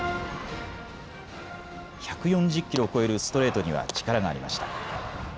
１４０キロを超えるストレートには力がありました。